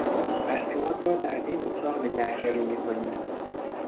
اسناد را در این اتاق نگهداری میکنیم.